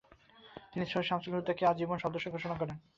তিনি সৈয়দ শামসুল হুদা-কে আজীবন সদস্য ঘোষণা করেন।